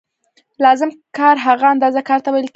لازم کار هغه اندازه کار ته ویل کېږي